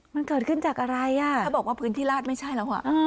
มันเกิดขึ้นจากอะไรอ่ะถ้าบอกว่าพื้นที่ราชไม่ใช่แล้วอ่ะ